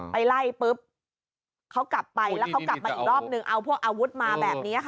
ไปไล่ปุ๊บเขากลับไปแล้วเขากลับมาอีกรอบนึงเอาพวกอาวุธมาแบบนี้ค่ะ